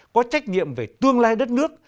có trách nhiệm về tương lai đất nước